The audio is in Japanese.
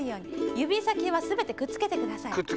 ゆびさきはすべてくっつけてください。